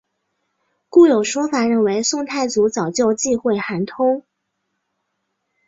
故有说法认为宋太祖早就忌讳韩通。